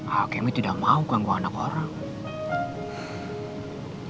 alkemi tidak mau ganggu anak orang